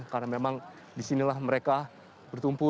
karena memang di sinilah mereka bertumpu